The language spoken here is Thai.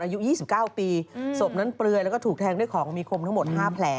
อายุ๒๙ปีศพนั้นเปลือยแล้วก็ถูกแทงด้วยของมีคมทั้งหมด๕แผล